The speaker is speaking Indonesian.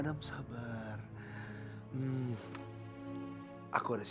dan jauh lebih baik daripada inka